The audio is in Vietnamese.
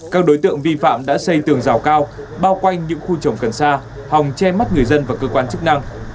các đối tượng vi phạm đã xây tường rào cao bao quanh những khu trồng cần xa hòng che mắt người dân và cơ quan chức năng